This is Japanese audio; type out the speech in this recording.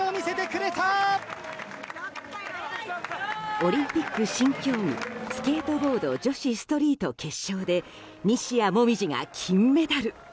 オリンピック新競技スケートボード女子ストリート決勝で西矢椛が金メダル。